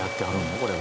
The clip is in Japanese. これは。